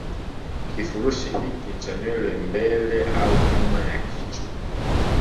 Kifurushi hiki cha nywele mbele au nyuma ya kichwa